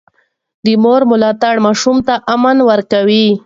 د مور ملاتړ ماشوم ته امن ورکوي.